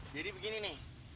jadi begini nih